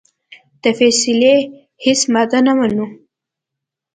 د فیصلې هیڅ ماده نه منو.